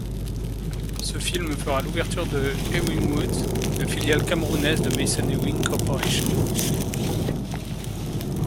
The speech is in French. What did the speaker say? Ce film fera l'ouverture de Ewingwood, la filiale camerounaise de Mason Ewing Corporation.